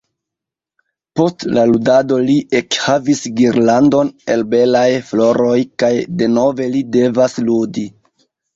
Post la ludado li ekhavas girlandon el belaj floroj kaj denove li devas ludi.